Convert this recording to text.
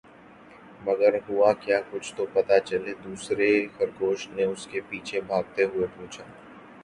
مگر ہوا کیا؟ کچھ تو پتا چلے!“دوسرے خرگوش نے اس کے پیچھے بھاگتے ہوئے پوچھا۔